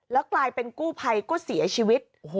แล้วกลายเป็นกู้ภัยก็เสียชีวิต